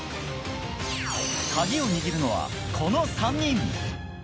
カギを握るのはこの３人。